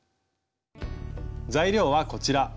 材料はこちら。